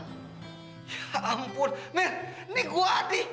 ya ampun mir ini gue adi